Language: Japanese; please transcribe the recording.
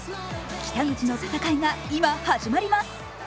北口の戦いが今、始まります。